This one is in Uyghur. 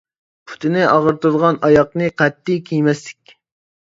پۇتىنى ئاغرىتىدىغان ئاياغنى قەتئىي كىيمەسلىك.